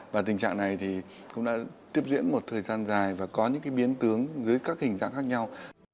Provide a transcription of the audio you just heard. và tình trạng này thì cũng đã tiếp diễn một thời gian dài và có những biến tướng dưới các hình dạng khác nhau